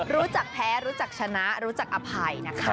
รู้จักแพ้รู้จักชนะรู้จักอภัยนะคะ